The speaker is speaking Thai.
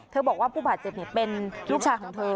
บอกว่าผู้บาดเจ็บเป็นลูกชายของเธอ